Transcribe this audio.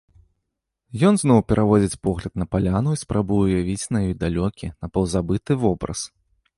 Ён зноў пераводзіць погляд на паляну і спрабуе ўявіць на ёй далёкі, напаўзабыты вобраз.